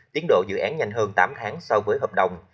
tiến độ dự án nhanh hơn tám tháng so với hợp đồng